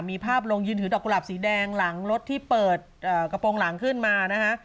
มีภาพลงยืนถือดอกกุหลับสีแดงหลังรถที่เปิดกระโปรงหลังขึ้นมานะคะ